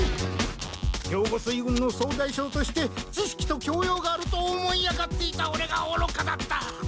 兵庫水軍の総大将として知識と教養があると思い上がっていたオレがおろかだった。